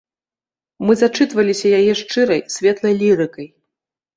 Мы зачытваліся яе шчырай, светлай лірыкай.